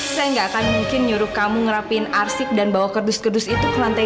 saya nggak akan mungkin nyuruh kamu ngerapin arsik dan bawa kerdus kerdus itu ke lantai dua